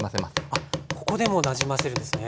あっここでもなじませるんですね。